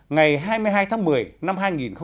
ngày hai mươi hai tháng một mươi năm hai nghìn một mươi chín